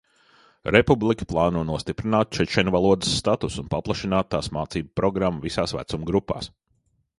Republika plāno nostiprināt čečenu valodas statusu un paplašināt tās mācību programmu visās vecuma grupās.